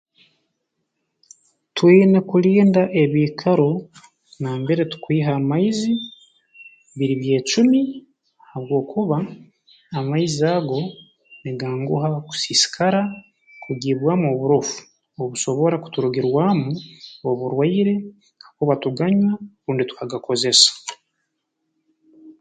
Twine kulinda ebiikaro nambere tukwiha amaizi biri byecumi habwokuba amaizi ago niganguha kusiisikara kugiibwamu oburofu obusobora kuturugirwamu oburwaire kakuba tuganywa rundi tukagakozesa